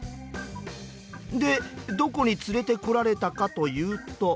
でどこに連れてこられたかというと。